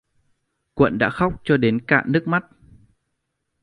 Quận đã khóc Cho Đến cạn nước mắt